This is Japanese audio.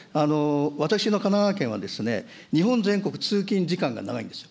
私の神奈川県は日本全国、通勤時間が長いんです。